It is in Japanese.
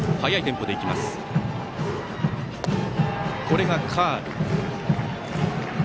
これがカーブ。